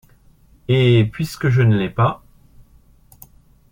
Et, puisque je ne l’ai pas…